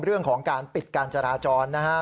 เรื่องของปิดการจราจรนะครับ